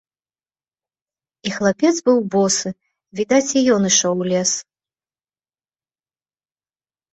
І хлапец быў босы, відаць, і ён ішоў у лес.